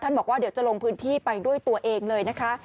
บอกว่าเดี๋ยวจะลงพื้นที่ไปด้วยตัวเองเลยนะคะ